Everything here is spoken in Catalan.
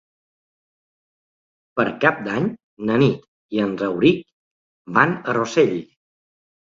Per Cap d'Any na Nit i en Rauric van a Rossell.